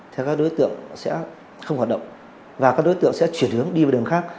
thì các đối tượng sẽ không hoạt động và các đối tượng sẽ chuyển hướng đi vào đường khác